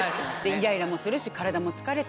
イライラもするし体も疲れて。